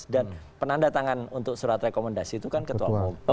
dan penandatangan untuk surat rekomendasi itu kan ketua umum